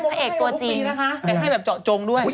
แต่ให้แบบเจาะจงด้วย